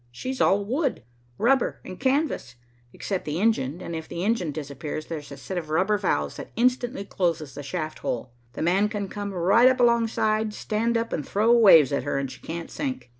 She's all wood, rubber and canvas, except the engine, and if the engine disappears there's a set of rubber valves that instantly closes the shaft hole. 'The man' can come right up alongside, stand up and throw waves at her, and she can't sink.